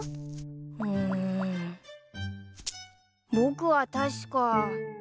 うん僕は確か。